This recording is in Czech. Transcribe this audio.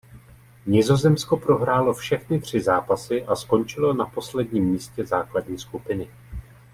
Nizozemsko prohrálo všechny tři zápasy a skončilo na posledním místě základní skupiny.